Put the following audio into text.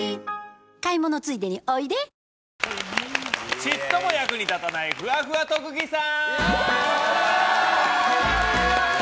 ちっとも役に立たないふわふわ特技さん！